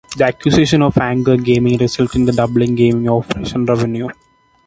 The acquisition of Anchor Gaming resulted in doubling gaming operations revenue.